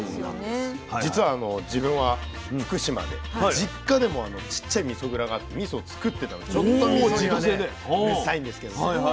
実は自分は福島で実家でもちっちゃいみそ蔵があってみそつくってたのでちょっとみそにはねうるさいんですけどね。